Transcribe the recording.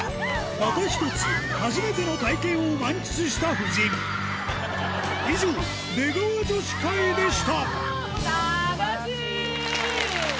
また１つ初めての体験を満喫した夫人以上たのしい！